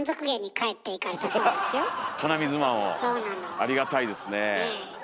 ありがたいですね。